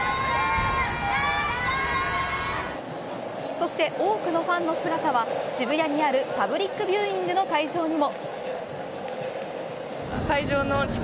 そして多くのファンの姿は渋谷にあるパブリックビューイングの会場にも。